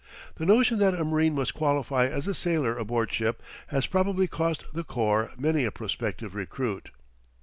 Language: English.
The notion that a marine must qualify as a sailor aboard ship has probably cost the corps many a prospective recruit.